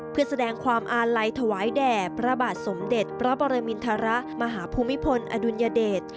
เพื่อแสดงความอาลัยถวายแด่พระบาทสมเด็จพระปรมินทรมาหาภูมิพลอดุลยเดช